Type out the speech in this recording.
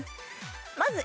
まず。